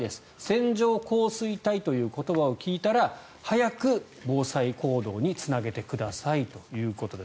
線状降水帯という言葉を聞いたら早く防災行動につなげてくださいということです。